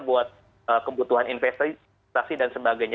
buat kebutuhan investasi dan sebagainya